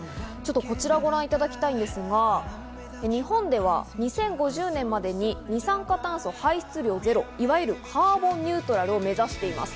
こちらをご覧いただきたいんですが、日本では２０５０年までに二酸化炭素排出量ゼロ、いわゆるカーボンニュートラルを目指しています。